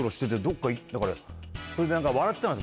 それで笑ってたんです